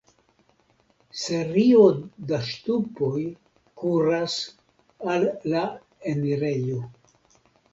Serio da ŝtupoj kuras al la enirejo.